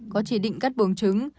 có chỉ định cắt bùng trứng